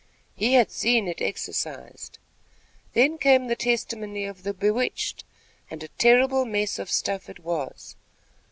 He had seen it exercised. Then came the testimony of the bewitched, and a terrible mess of stuff it was.